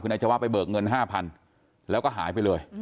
นายจวะไปเบิกเงิน๕๐๐๐แล้วก็หายไปเลย